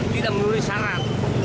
tidak menulis syarat